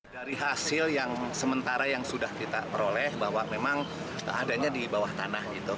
dari hasil yang sementara yang sudah kita peroleh bahwa memang adanya di bawah tanah